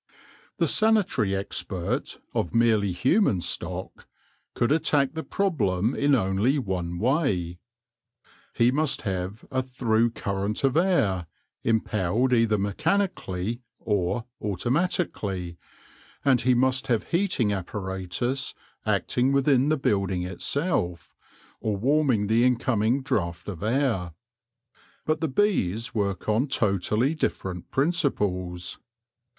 The sanitary expert, of merely human stock, could attack the problem in only one way. He must have a through current of air, impelled either mechanically or automatically ; and he must have heating appa ratus acting within the building itself, or warming the incoming draught of air. But the bees work on totally different principles.